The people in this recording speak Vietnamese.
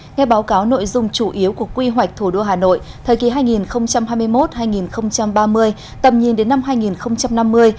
nghe báo cáo nội dung chủ yếu của quy hoạch thủ đô hà nội thời kỳ hai nghìn hai mươi một hai nghìn ba mươi tầm nhìn đến năm hai nghìn năm mươi